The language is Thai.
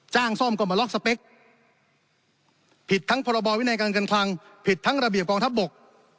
ซ่อมก็มาล็อกสเปคผิดทั้งพรบวินัยการการคลังผิดทั้งระเบียบกองทัพบก